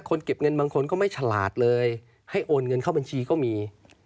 เก็บเงินบางคนก็ไม่ฉลาดเลยให้โอนเงินเข้าบัญชีก็มี